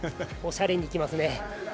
おしゃれに行きますね。